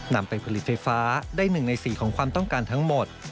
นำไปผลิตไฟฟ้าได้๑ใน๔ของความต้องการทั้งหมด